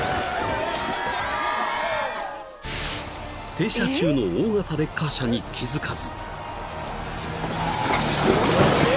［停車中の大型レッカー車に気付かず］